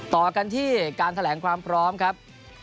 ต่อกันที่การแถลงความพร้อมครับ